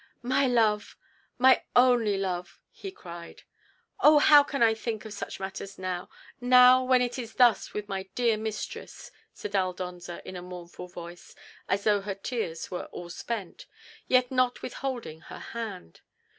"My love!—my only love!" he cried. "Oh! how can I think of such matters now—now, when it is thus with my dear mistress," said Aldonza, in a mournful voice, as though her tears were all spent—yet not withholding her hand.